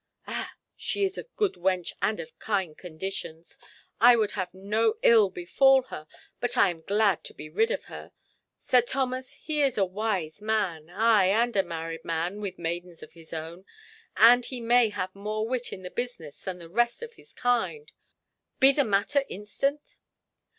Ah! She is a good wench, and of kind conditions. I would have no ill befall her, but I am glad to be rid of her. Sir Thomas—he is a wise man, ay, and a married man, with maidens of his own, and he may have more wit in the business than the rest of his kind. Be the matter instant?"